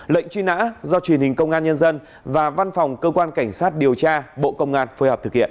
lệnh truy nã do truyền hình công an nhân dân và văn phòng cơ quan cảnh sát điều tra bộ công an phối hợp thực hiện